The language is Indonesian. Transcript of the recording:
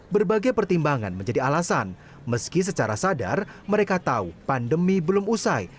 berbagai pertimbangan menjadi alasan meski secara sadar mereka tahu pandemi belum usai